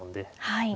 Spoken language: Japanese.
はい。